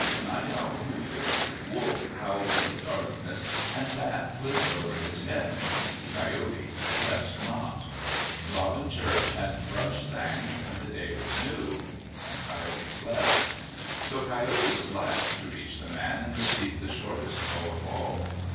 Night Owl hooted, Wolf howled in the darkness, and Bat flitted over his head. Coyote slept not. Robin chirped and Thrush sang when the day was new. Coyote slept. So Coyote was last to reach the man and received the shortest bow of all.